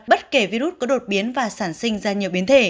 bất kể virus có đột biến và sản sinh ra nhiều biến thể